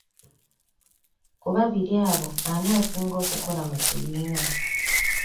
Ku babiri abo ani asinga okukola mu kibiina?